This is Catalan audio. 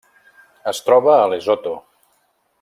Es troba a Lesotho.